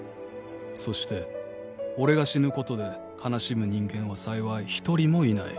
「そして俺が死ぬことで悲しむ人間は幸い一人もいない」